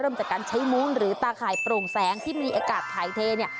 เริ่มจากการใช้มุ้งหรือตาข่ายโปร่งแสงที่มีอากาศถ่ายเทเนี่ย